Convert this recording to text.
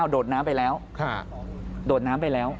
โดดน้ำไปแล้ว